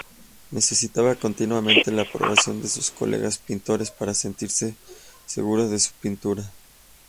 Necesitaba continuamente la aprobación de sus colegas pintores para sentirse segura de su pintura.